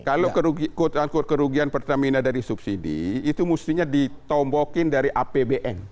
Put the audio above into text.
kalau kerugian pertamina dari subsidi itu mestinya ditombokin dari apbn